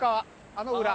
あの裏。